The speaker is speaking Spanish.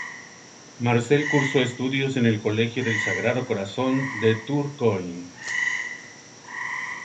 Marcel cursó estudios en el Colegio del Sagrado Corazón de Tourcoing.